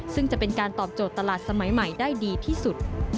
ซึ่งจะเป็นการตอบโจทย์ตลาดสมัยใหม่ได้ดีที่สุด